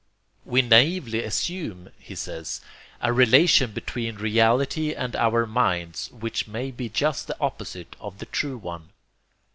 We naively assume, he says, a relation between reality and our minds which may be just the opposite of the true one.